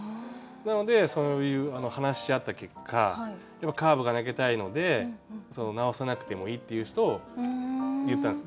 なので話し合った結果やっぱカーブが投げたいので直さなくてもいいっていう言ったんです。